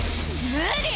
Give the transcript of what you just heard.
無理！